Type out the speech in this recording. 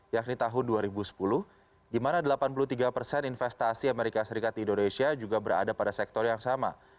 yakni tahun dua ribu sepuluh di mana delapan puluh tiga persen investasi amerika serikat di indonesia juga berada pada sektor yang sama